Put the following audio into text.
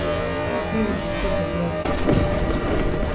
Spirit di cut de blood.